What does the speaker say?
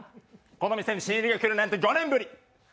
この店に新入りが来るなんて５年ぶり。